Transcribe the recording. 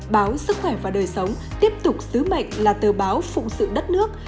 báo sức khỏe và đời sống tiếp tục sứ mệnh là tờ báo phụng sự đất nước